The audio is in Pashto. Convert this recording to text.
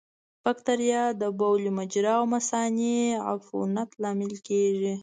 بکتریا د بولي مجرا او مثانې عفونت لامل کېږي.